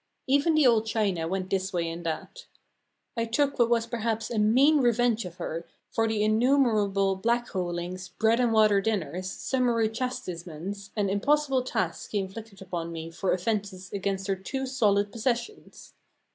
Even the old china went this way and that. I took what was perhaps a mean revenge of her for the innumerable black holeings, bread and water dinners, summary chastisements, and impossible tasks she inflicted upon me for offences against her too solid possessions.